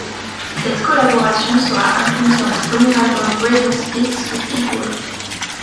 Cette collaboration sera incluse dans le premier album Greatest Hits de Pitbull.